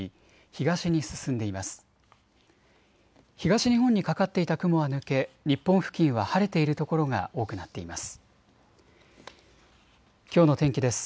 東日本にかかっていた雲は抜け日本付近は晴れている所が多くなっています。